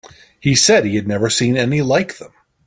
He said he had never seen any like them.